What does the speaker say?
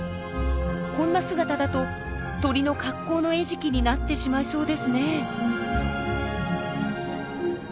こんな姿だと鳥の格好の餌食になってしまいそうですねぇ。